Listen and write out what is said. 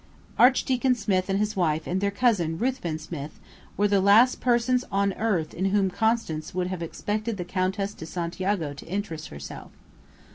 Archdeacon Smith and his wife and their cousin, Ruthven Smith, were the last persons on earth in whom Constance would have expected the Countess de Santiago to interest herself.